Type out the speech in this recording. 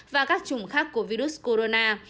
và các chủng khác của virus corona